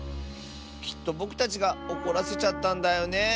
きっとぼくたちがおこらせちゃったんだよね。